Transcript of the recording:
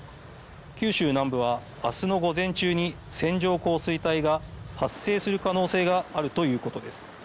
九州南部は明日の午前中に線状降水帯が発生する可能性があるということです。